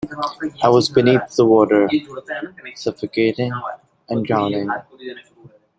I was beneath the water, suffocating and drowning.